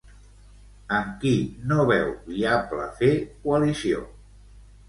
Amb qui no veu viable fer coalició?